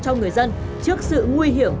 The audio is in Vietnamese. cho người dân trước sự nguy hiểm